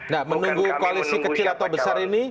nah menunggu koalisi kecil atau besar ini